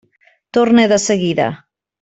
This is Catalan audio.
Torne de seguida.